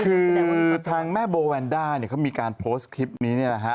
คือทางแม่โบวันด้าเขามีการโพสต์คลิปนี้นะครับ